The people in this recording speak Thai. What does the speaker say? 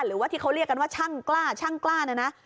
หรือว่าที่เขาเรียกกันว่าช่างกล้าช่างกล้าเนี่ยนะ